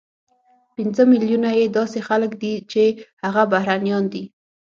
پنځه ملیونه یې داسې خلک دي چې هغه بهرنیان دي،